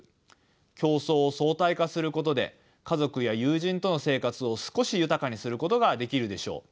競争を相対化することで家族や友人との生活を少し豊かにすることができるでしょう。